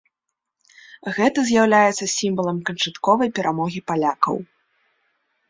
Гэта з'яўляецца сімвалам канчатковай перамогі палякаў.